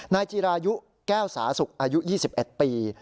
จีรายุแก้วสาสุกอายุ๒๑ปี